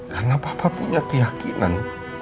karena papa punya keyakinan